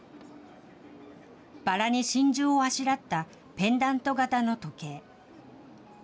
バラに真珠をあしらったペンダント型の時計。